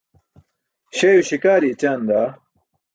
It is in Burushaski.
Śeyo śikaari écaan daa!